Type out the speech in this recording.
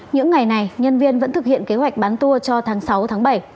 những ngày này nhân viên vẫn thực hiện kế hoạch bán tour cho tháng sáu tháng bảy